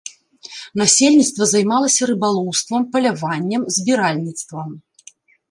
Насельніцтва займалася рыбалоўствам, паляваннем, збіральніцтвам.